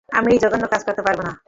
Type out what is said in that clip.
আমি এই জঘন্য কাজ করতে পারবোনা।